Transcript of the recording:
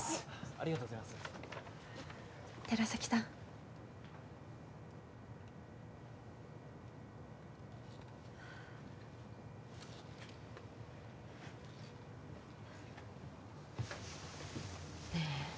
ありがとうございます寺崎さんねえ